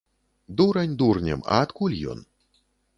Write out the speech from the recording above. Дурань дурнем, а адкуль ён?